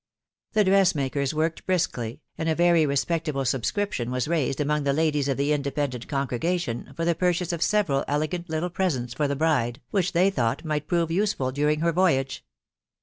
,.* Tbedreswnakers wosked briskly, and & very respectable subscription was raised among the ladies ef the independent ceiigregatkni for the purchase of several elegant lrttie presents for the bride^ which they thought might prove useful during her voyage.